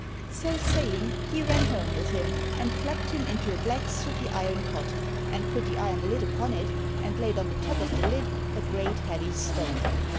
So saying, he ran home with him, and clapped him into a black sooty iron pot, and put the iron lid upon it, and laid on the top of the lid a great heavy stone.